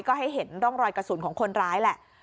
ก็ให้เห็นร่องรอยกระสุนของคนร้ายแหละ